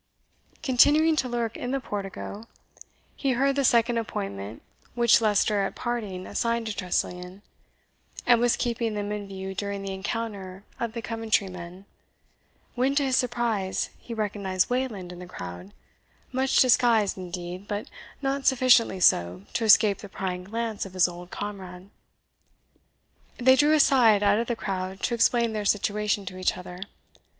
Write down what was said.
Continuing to lurk in the portico, he heard the second appointment which Leicester at parting assigned to Tressilian; and was keeping them in view during the encounter of the Coventry men, when, to his surprise, he recognized Wayland in the crowd, much disguised, indeed, but not sufficiently so to escape the prying glance of his old comrade. They drew aside out of the crowd to explain their situation to each other.